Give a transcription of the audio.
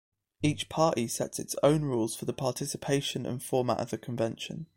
Each party sets its own rules for the participation and format of the convention.